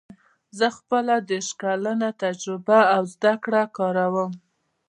زه خپله دېرش کلنه تجربه او زده کړه کاروم